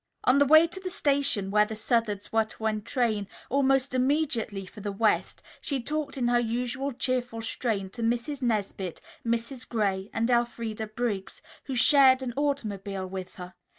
On the way to the station, where the Southards were to entrain almost immediately for the West, she talked in her usual cheerful strain to Mrs. Nesbit, Mrs. Gray and Elfreda Briggs, who shared an automobile with her.